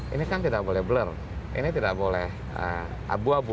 ini kan tidak boleh bler ini tidak boleh abu abu